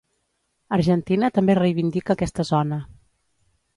Argentina també reivindica aquesta zona.